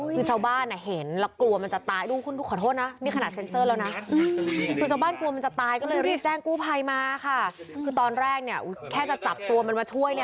คือตอนแรกเนี่ยแค่จะจับตัวมันมาช่วยเนี่ย